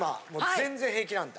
全然平気なんだ？